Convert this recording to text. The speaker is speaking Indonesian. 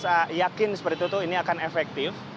saya yakin seperti itu ini akan efektif